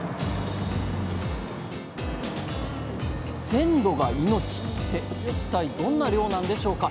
「鮮度が命」って一体どんな漁なんでしょうか？